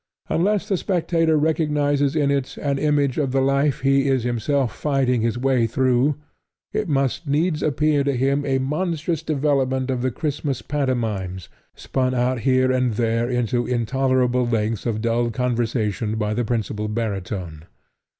Unless the spectator recognizes in it an image of the life he is himself fighting his way through, it must needs appear to him a monstrous development of the Christmas pantomimes, spun out here and there into intolerable lengths of dull conversation by the principal baritone.